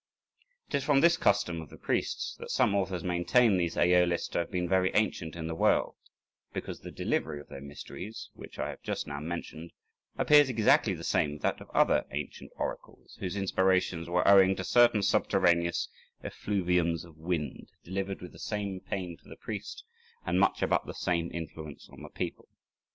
It is from this custom of the priests that some authors maintain these Æolists to have been very ancient in the world, because the delivery of their mysteries, which I have just now mentioned, appears exactly the same with that of other ancient oracles, whose inspirations were owing to certain subterraneous effluviums of wind delivered with the same pain to the priest, and much about the same influence on the people.